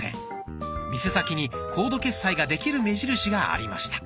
店先にコード決済ができる目印がありました。